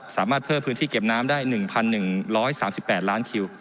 สามารถเพิ่มพื้นที่เก็บน้ำได้๑๑๓๘ล้านคิว